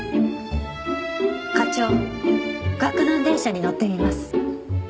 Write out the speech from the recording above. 課長岳南電車に乗ってみます。